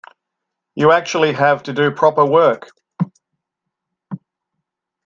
You actually have to do proper work.